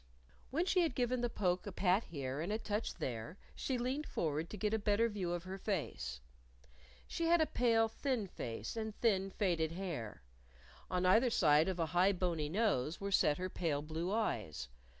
When she had given the poke a pat here and a touch there, she leaned forward to get a better view of her face. She had a pale, thin face and thin faded hair. On either side of a high bony nose were set her pale blue eyes.